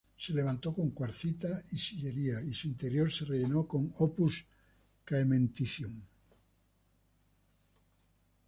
Se levantó con cuarcita y sillería y su interior se rellenó con "opus caementicium".